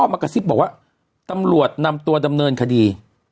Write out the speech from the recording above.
มากระซิบบอกว่าตำรวจนำตัวดำเนินคดี